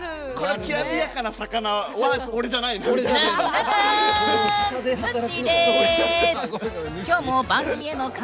きらびやかな魚は俺じゃないなって。